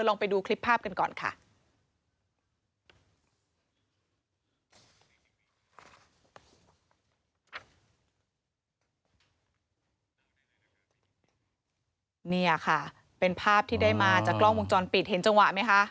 นี่ค่ะเป็นภาพที่ได้มาจากกล้องวงจรปิดเห็นจังหวะไหมคะ